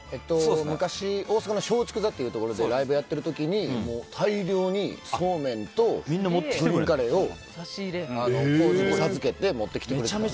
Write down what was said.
昔、大阪の松竹座っていうところでライブやってる時に大量にそうめんとグリーンカレーを康二に授けて持ってきてくれた。